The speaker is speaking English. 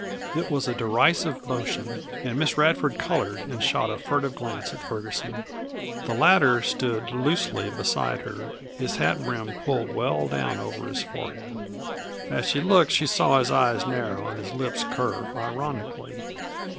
It was a derisive motion, and Miss Radford colored and shot a furtive glance at Ferguson. The latter stood loosely beside her, his hat brim pulled well down over his forehead. As she looked she saw his eyes narrow and his lips curve ironically.